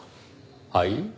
はい？